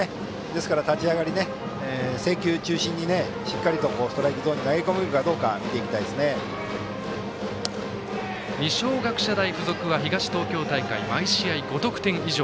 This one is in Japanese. ですから立ち上がり制球中心に、しっかりとストライクゾーンに投げ込めるかどうか二松学舎大付属は東東京大会で毎試合５得点以上。